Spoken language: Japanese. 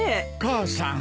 母さん。